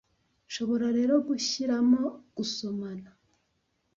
nshobora rero gushyiramo gusomana